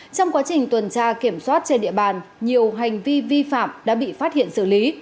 toàn tra kiểm soát trên địa bàn nhiều hành vi vi phạm đã bị phát hiện xử lý